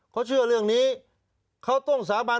เขาเชื่อเรื่องนี้เขาต้องสาบาน